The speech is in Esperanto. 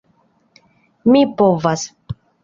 Mi povas.